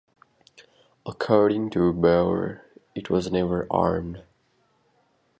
According to Baur, it was never armed.